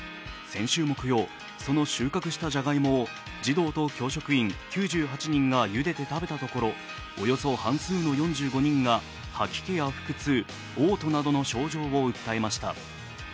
先週木曜、その収穫したじゃがいもを児童と教職員９８人がゆでて食べたところおよそ半数の４５人が吐き気や腹痛、おう吐などの症状を訴えました。